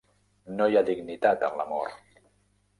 No hi ha dignitat en l'amor.